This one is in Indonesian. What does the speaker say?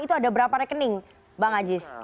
itu ada berapa rekening bang aziz